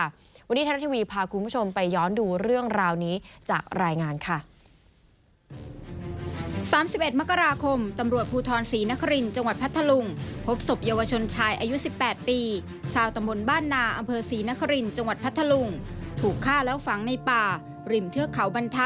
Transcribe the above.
วันนี้ไทยรัฐทีวีพาคุณผู้ชมไปย้อนดูเรื่องราวนี้จากรายงานค่ะ